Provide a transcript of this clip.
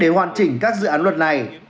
để hoàn chỉnh các dự án luật này